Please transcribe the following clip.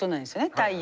太陽